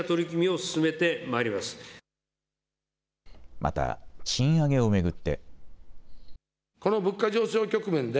また、賃上げを巡って。